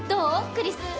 クリス。